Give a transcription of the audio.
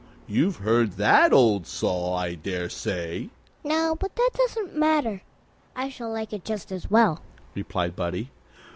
You've heard that old saw, I dare say." "No; but that doesn't matter. I shall like it just as well," replied Buddie.